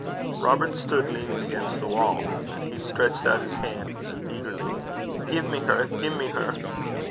Robert stood leaning against the wall. He stretched out his hands eagerly. 'Gie me her. Gie me her.'